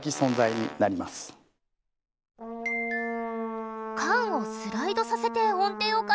管をスライドさせて音程を変えているんだね！